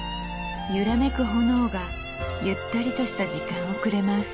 揺らめく炎がゆったりとした時間をくれます